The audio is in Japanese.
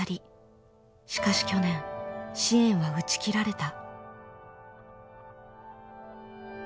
しかし去年支援は打ち切られた。